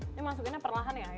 ini masukinnya perlahan ya